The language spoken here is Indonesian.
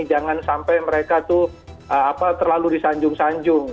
jangan sampai mereka tuh terlalu disanjung sanjung